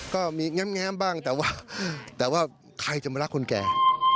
ก็มีแง้มบ้างแต่ว่าแต่ว่าใครจะมารักคนแก่